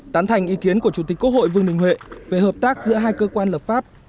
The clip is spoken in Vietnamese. tán thành ý kiến của chủ tịch quốc hội vương đình huệ về hợp tác giữa hai cơ quan lập pháp